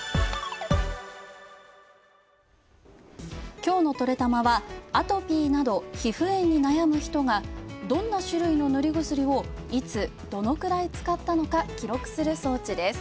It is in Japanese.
今日のトレたまは、アトピーなど皮膚炎に悩む人がどんな種類の塗り薬をいつどのくらい使ったのか記録する装置です。